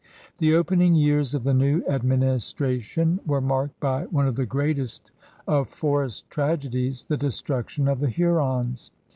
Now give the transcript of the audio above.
The opening years of the new administration were marked by one of the greatest of forest tragedies, the destruction of the Hurons.